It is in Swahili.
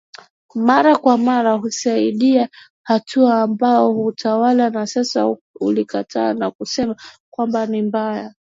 mara kwa mara kusaidia hatua ambayo utawala wa sasa ulikataa na kusema kwamba ni mbaya